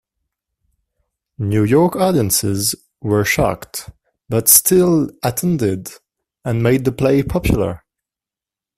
New York audiences were shocked but still attended and made the play popular.